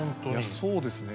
そうですね。